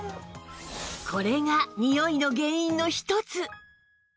これがにおいの原因の一つ